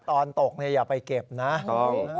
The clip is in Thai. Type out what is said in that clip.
ตอนตกอย่าไปเก็บนะโอ้โฮ